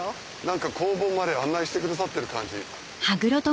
何か工房まで案内してくださってる感じ。